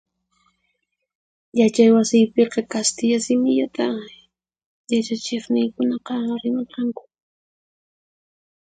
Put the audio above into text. Yachay Wasiypiqa kastilla simillata yachachiqniykunaqa rimarqanku.